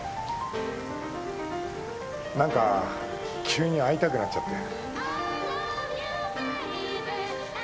何か急に会いたくなっちゃって。